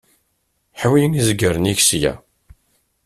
Ḥwi izgaren-ik sya.